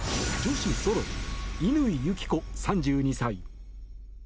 女子ソロ乾友紀子、３２歳。